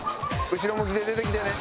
後ろ向きで出てきてね。